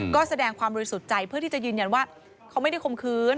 ก็แสดงความรู้สุดใจเพื่อที่จะยืนยันว่าเขาไม่ได้ข่มขื้น